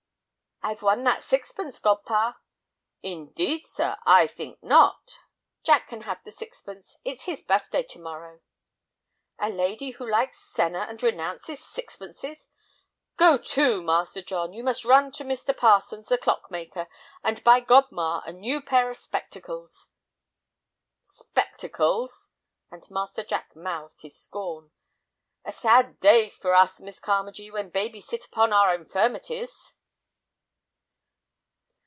"I've won that sixpence, godpa." "Indeed, sir, I think not." "Jack can have the sixpence; it's his buffday to morrow." "A lady who likes senna and renounces sixpences! Go to, Master John, you must run to Mr. Parsons, the clockmaker, and buy godma a pair of new spectacles." "Spectacles!" and Master Jack mouthed his scorn. "A sad day for us, Miss Carmagee, when babies sit upon our infirmities!"